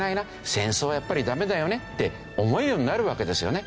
「戦争はやっぱりダメだよね」って思えるようになるわけですよね。